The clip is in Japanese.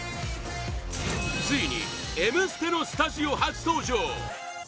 ついに「Ｍステ」のスタジオ初登場！